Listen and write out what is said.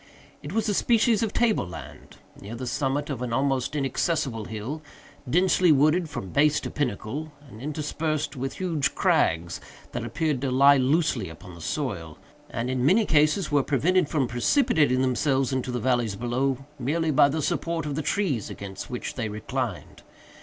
It was a species of table land, near the summit of an almost inaccessible hill, densely wooded from base to pinnacle, and interspersed with huge crags that appeared to lie loosely upon the soil, and in many cases were prevented from precipitating themselves into the valleys below, merely by the support of the trees against which they reclined.